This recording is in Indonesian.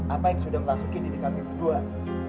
apa yang sudah memasuki diri kami berdua